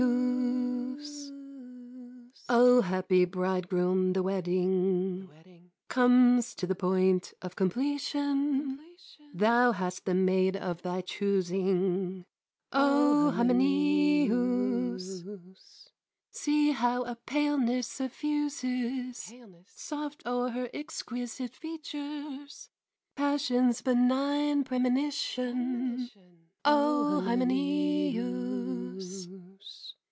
O happy bridegroom, the wedding Comes to the point of completion; Thou hast the maid of thy choosing, O Hymenæus! See how a paleness suffuses Soft o'er her exquisite features, Passion's benign premonition, O Hymenæus!